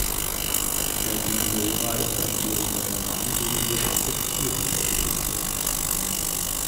Herr Siniora ist ein ehrenwerter Mann, den wir respektieren sollten.